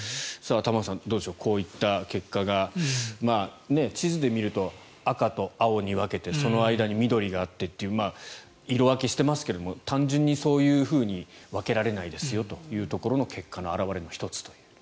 玉川さん、どうでしょうこういった結果が、地図で見ると赤と青に分けてその間に緑があってと色分けしていますけれど単純にそういうふうに分けられないですよというところの結果の１つと。